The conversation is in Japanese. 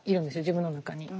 自分の中に。